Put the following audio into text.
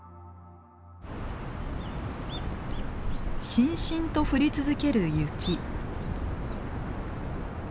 しんしんと降り続ける雪。